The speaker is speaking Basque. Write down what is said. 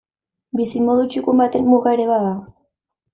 Bizimodu txukun baten muga ere bada.